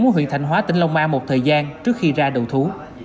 với huyện thành hóa tỉnh long an một thời gian trước khi ra đầu thú